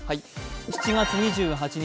７月２８日